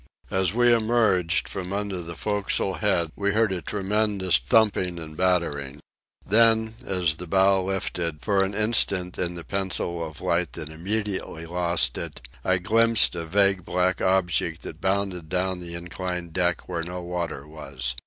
As we emerged, from under the forecastle head we heard a tremendous thumping and battering. Then, as the bow lifted, for an instant in the pencil of light that immediately lost it, I glimpsed a vague black object that bounded down the inclined deck where no water was.